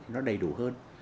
có một cái dân chủ